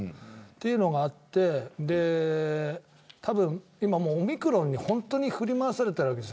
そういうのがあって今、オミクロンに振り回されてるわけです。